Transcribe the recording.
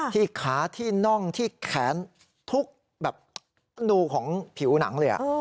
ที่ขาที่น่องที่แขนทุกแบบนูของผิวหนังเลย